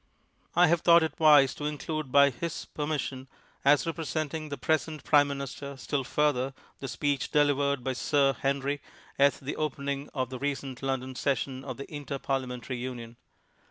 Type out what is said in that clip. I have thought it wise to include by his per mission, as representing the present Prime ^lin ister still further, the speech delivei'ed by Sir INTRODUCTION Henry at the opening of the recent London ses sion of the Interparliamentary Union.